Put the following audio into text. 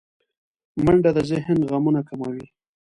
منډه د ذهن غمونه کموي